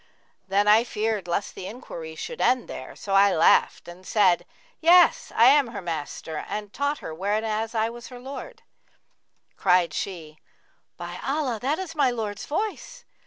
Then I feared lest the enquiry should end there; so I laughed and said, 'Yes; I am her master and taught her whenas I was her lord.' Cried she, 'By Allah, that is my lord's voice!'